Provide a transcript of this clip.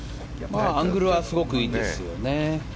アングルはすごくいいですよね。